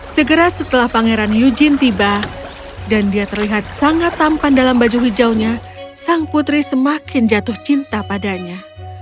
segera setelah pangeran yujin tiba dan dia terlihat sangat tampan dalam baju hijaunya sang putri semakin jatuh cinta padanya